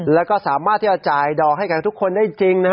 แล้วก็สามารถที่จะจ่ายดอกให้กับทุกคนได้จริง